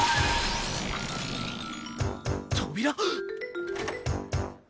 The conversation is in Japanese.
扉？